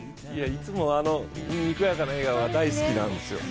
いつもあのにこやかな笑顔が大好きなんですよ。